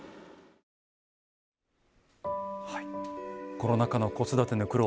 コロナ禍の子育ての苦労